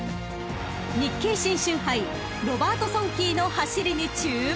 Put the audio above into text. ［日経新春杯ロバートソンキーの走りに注目］